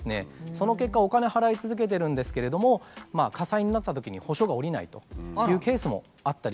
その結果お金払い続けてるんですけれども火災になったときに補償が下りないというケースもあったりします。